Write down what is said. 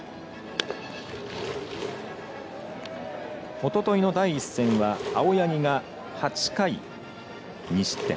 おとといの第１戦は青柳が８回２失点。